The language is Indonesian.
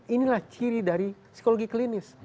inilah ciri dari psikologi klinis